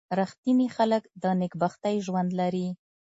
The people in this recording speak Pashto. • رښتیني خلک د نېکبختۍ ژوند لري.